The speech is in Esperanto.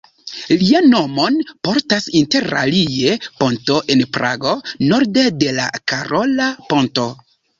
Lian nomon portas interalie ponto en Prago, norde de la Karola Ponto.